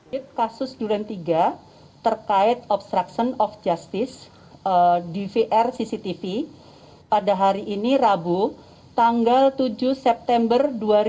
kepada kasus durian tiga terkait obstruction of justice di vr cctv pada hari ini rabu tanggal tujuh september dua ribu dua puluh dua